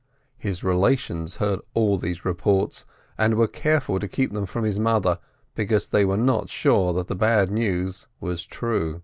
His relations heard all these reports, and were careful to keep them from his mother, because they were not sure that the bad news was true.